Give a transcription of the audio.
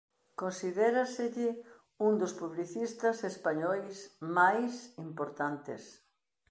Considéraselle un dos publicistas españois máis importantes.